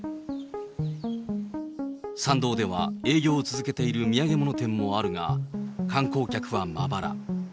参道では営業を続けている土産物店もあるが、観光客はまばら。